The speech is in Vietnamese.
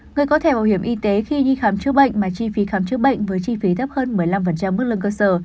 người có thể bảo hiểm y tế khi đi khám chữa bệnh mà chi phí khám chữa bệnh với chi phí thấp hơn một mươi năm mức lương cơ sở